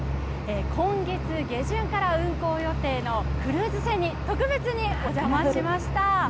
今月下旬から運航予定のクルーズ船に特別にお邪魔しました。